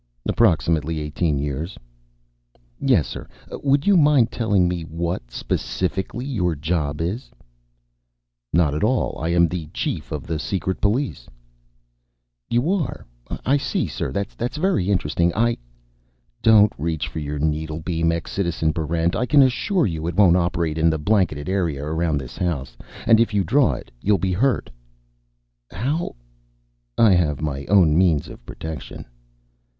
"Approximately eighteen years." "Yes, sir. Would you mind telling me what, specifically, your job is?" "Not at all. I am the Chief of the Secret Police." "You are I see, sir. That's very interesting. I " "Don't reach for your needlebeam, ex Citizen Barrent. I can assure you, it won't operate in the blanketed area around this house. And if you draw it, you'll be hurt." "How?" "I have my own means of protection."